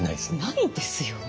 ないですよね。